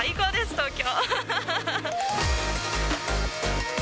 東京！